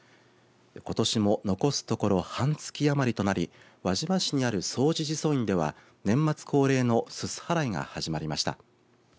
ことしも残すところ半月余りとなり輪島市にある総持寺祖院には年末恒例のすす払いが始まりました。